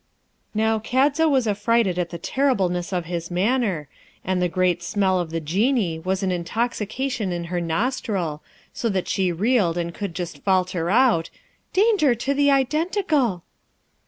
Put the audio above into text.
Now, Kadza was affrighted at the terribleness of his manner, and the great smell of the Genie was an intoxication in her nostril, so that she reeled and could just falter out, 'Danger to the Identical!'